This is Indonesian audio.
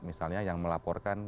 misalnya yang melaporkan